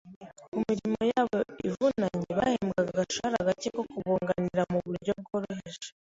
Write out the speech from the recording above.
Ku mirimo yabo ivunanye bahembwaga agashahara gake ko kubunganira mu buryo bworoheje.